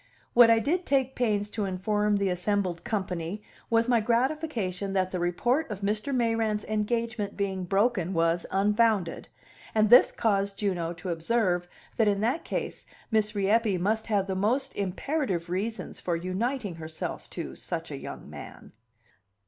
What I did take pains to inform the assembled company was my gratification that the report of Mr. Mayrant's engagement being broken was unfounded; and this caused Juno to observe that in that case Miss Rieppe must have the most imperative reasons for uniting herself to such a young man.